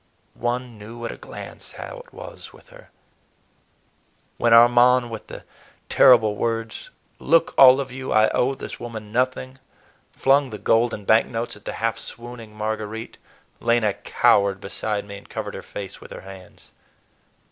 One knew at a glance how it was with her. When Armand, with the terrible words, "Look, all of you, I owe this woman nothing!" flung the gold and bank notes at the half swooning Marguerite, Lena cowered beside me and covered her face with her hands.